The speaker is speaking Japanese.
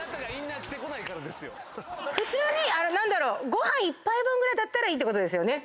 ご飯１杯分ぐらいだったらいいってことですよね？